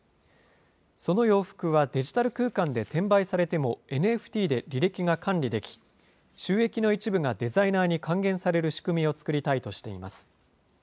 その洋服はデジタル空間で転売されても、ＮＦＴで履歴が管理でき、収益の一部がデザイナーに還元される仕組みを作りたいとしています。